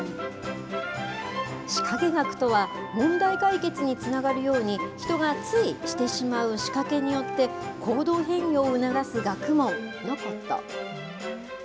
仕掛学とは、問題解決につながるように、人がついしてしまう仕掛けによって、行動変容を促す学問のこと。